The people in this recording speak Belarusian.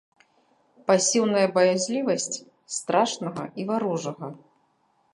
Пасіўная баязлівасць страшнага і варожага.